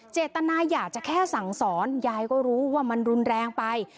เจตนาอยากจะแค่สั่งสอนยายก็รู้ว่ามันรุนแรงไป